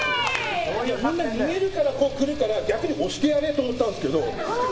逃げるから来るから逆に押してやれと思ったんですけど。